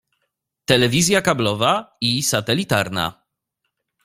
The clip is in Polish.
Telewizja kablowa i satelitarna.